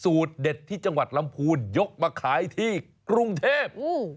เด็ดที่จังหวัดลำพูนยกมาขายที่กรุงเทพ